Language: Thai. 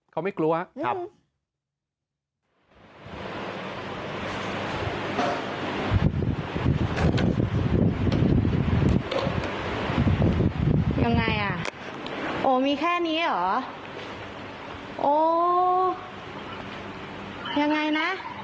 เขาไม่กลัวครับ